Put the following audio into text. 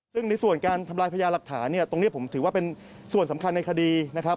ซึ่งในส่วนการทำลายพญาหลักฐานเนี่ยตรงนี้ผมถือว่าเป็นส่วนสำคัญในคดีนะครับ